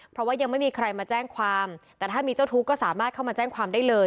เพราะว่ายังไม่มีใครมาแจ้งความแต่ถ้ามีเจ้าทุกข์ก็สามารถเข้ามาแจ้งความได้เลย